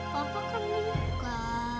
papa kan di muka